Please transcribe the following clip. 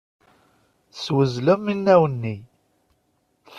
Teswezlem inaw-nni.